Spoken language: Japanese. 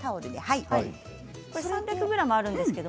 ３００ｇあります。